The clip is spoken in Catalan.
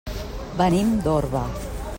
Venim d'Orba.